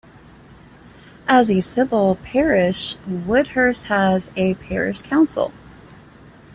As a civil parish, Woodhurst has a parish council.